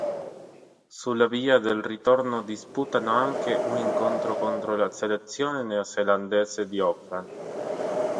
Sulla via del ritorno disputano anche un incontro contro la selezione neozelandese di Auckland.